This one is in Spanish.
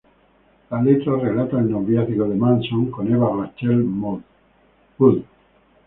La letra relata el noviazgo de Manson con Evan Rachel Wood.